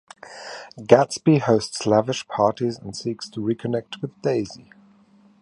Gatsby hosts lavish parties and seeks to reconnect with Daisy.